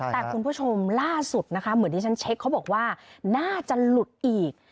แต่คุณผู้ชมล่าสุดนะคะเหมือนที่ฉันเช็คเขาบอกว่าน่าจะหลุดอีก